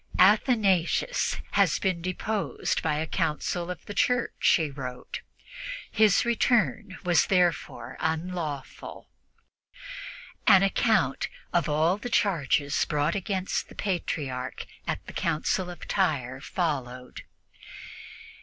"Athanasius has been deposed by a Council of the Church," he wrote. "His return was therefore unlawful." An account of all the charges brought against the Patriarch at the Council of Tyre followed.